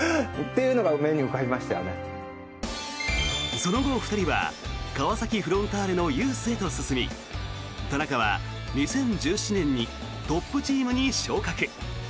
その後、２人は川崎フロンターレのユースへと進み田中は２０１７年にトップチームに昇格。